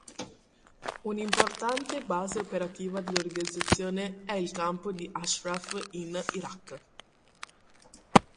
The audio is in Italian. Un'importante base operativa dell'organizzazione è il campo di Ashraf in Iraq.